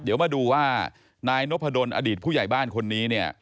เดี๋ยวมาดูว่านายนพดลอดีตผู้ใหญ่บ้านคนนี้เนี่ย